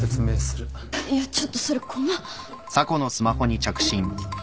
いやちょっとそれ困。